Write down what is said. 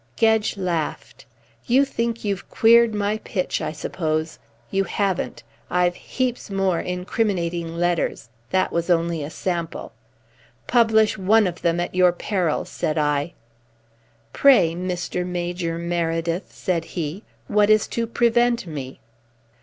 Gedge laughed. "You think you've queered my pitch, I suppose. You haven't. I've heaps more incriminating letters. That was only a sample." "Publish one of them at your peril," said I. "Pray, Mister Major Meredyth," said he, "what is to prevent me?"